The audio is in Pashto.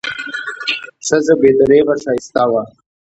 ښځه بې درېغه ښایسته وه.